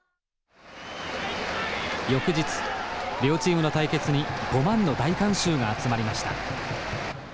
翌日両チームの対決に５万の大観衆が集まりました。